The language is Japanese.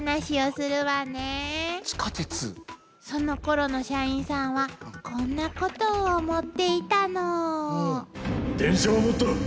そのころの社員さんはこんなことを思っていたの。